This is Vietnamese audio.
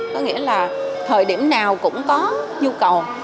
có nghĩa là thời điểm nào cũng có nhu cầu